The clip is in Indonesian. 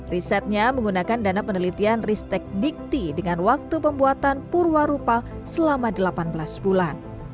risetnya menggunakan dana penelitian ristek dikti dengan waktu pembuatan purwarupa selama delapan belas bulan